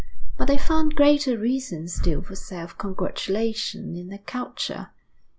But they found greater reason still for self congratulation in their culture.